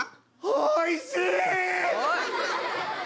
おいしい！